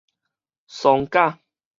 喪假